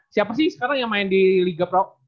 siapa sih sekarang yang main di liga pro